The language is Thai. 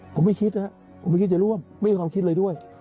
ผมไม่คิดผมไม่ร่วมไม่มีความคิดเลยด้วย